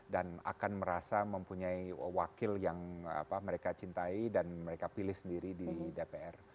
dan akan merasa mempunyai wakil yang mereka cintai dan mereka pilih sendiri di dpr